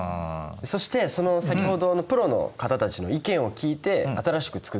そして先ほどのプロの方たちの意見を聞いて新しく作ったのが右側にございます。